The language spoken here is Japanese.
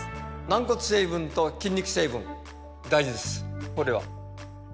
軟骨成分と筋肉成分大事です